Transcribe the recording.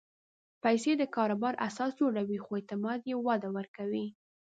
پېسې د کاروبار اساس جوړوي، خو اعتماد یې وده ورکوي.